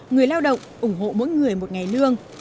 người lao động ủng hộ mỗi người một ngày lương